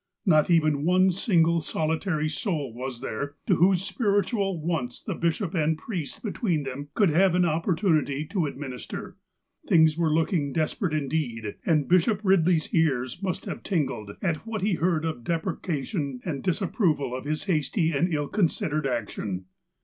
Not even one single solitary soul was there, to whose spiritual wants the bishop and priest between them could have an opportunity to administer. Things were looking desperate indeed, and Bishop Eidley's ears must have tingled at what he heard of dep recation and disapproval of his hasty and ill considered action.